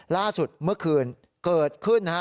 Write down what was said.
ล่าสุดเมื่อคืนเกิดขึ้นนะฮะ